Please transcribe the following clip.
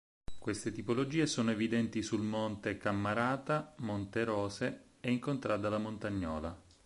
Queste tipologie sono evidenti sul Monte Cammarata, Monte Rose e in contrada La Montagnola.